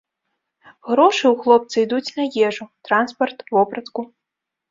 Грошы ў хлопца ідуць на ежу, транспарт, вопратку.